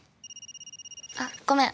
あっごめん。